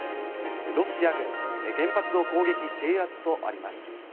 ロシア軍原発を攻撃・制圧とあります。